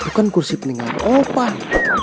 itu kan kursi peninggalan opah